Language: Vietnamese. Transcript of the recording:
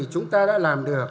chúng ta đã làm được